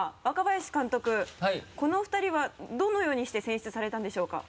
このお二人はどのようにして選出されたんでしょうか？